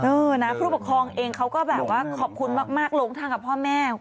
เออนะผู้ปกครองเองเขาก็แบบว่าขอบคุณมากหลงทางกับพ่อแม่